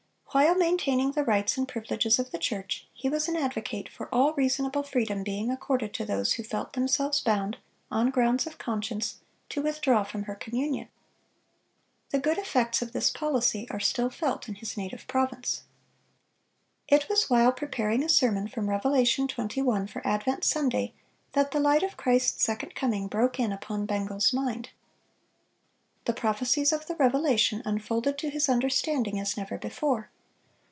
"While maintaining the rights and privileges of the church, he was an advocate for all reasonable freedom being accorded to those who felt themselves bound, on grounds of conscience, to withdraw from her communion."(606) The good effects of this policy are still felt in his native province. It was while preparing a sermon from Revelation 21 for "Advent Sunday" that the light of Christ's second coming broke in upon Bengel's mind. The prophecies of the Revelation unfolded to his understanding as never before.